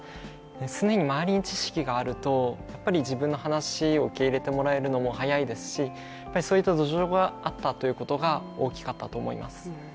既に周りに知識があると自分の話を受け入れてもらえるのも早いですしそういった土壌があったということが大きかったと思います。